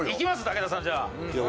武田さんじゃあ。